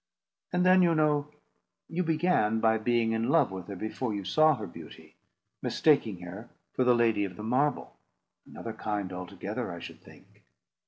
And then, you know, you began by being in love with her before you saw her beauty, mistaking her for the lady of the marble—another kind altogether, I should think.